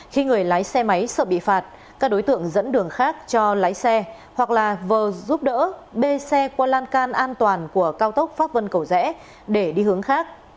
khi người lái xe máy sợ bị phạt các đối tượng dẫn đường khác cho lái xe hoặc là vờ giúp đỡ bê xe qua lan can an toàn của cao tốc pháp vân cầu rẽ để đi hướng khác